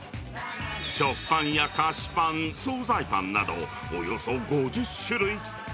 食パンや菓子パン、総菜パンなどおよそ５０種類。